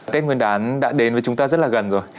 tết nguyên đán đã đến với chúng ta rất là gần rồi